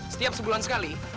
setiap sebulan sekali